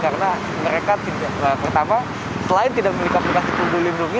karena mereka pertama selain tidak memiliki aplikasi peduli lindungi